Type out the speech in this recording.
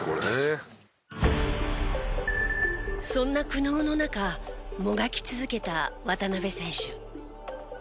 そんな苦悩の中もがき続けた渡邊選手。